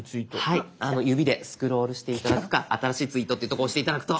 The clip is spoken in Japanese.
はい指でスクロールして頂くか「新しいツイート」っていうとこ押して頂くと。